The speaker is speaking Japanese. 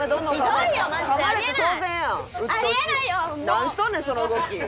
何しとんねんその動き。